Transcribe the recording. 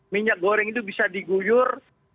minyak goreng itu bisa diguyur